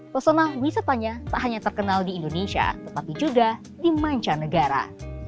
personal wisatanya tak hanya terkenal di indonesia tetapi juga di mancanegara